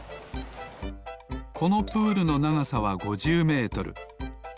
このプールのながさは５０メートル。